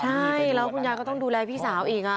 ใช่แล้วคุณยายก็ต้องดูแลพี่สาวอีก